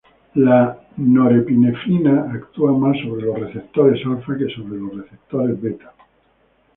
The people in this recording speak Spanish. La norepinefrina actúa más sobre los receptores alfa que sobre los receptores beta.